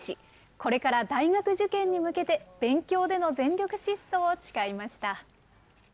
これから大学受験に向けて、勉強での全力疾走を誓いました。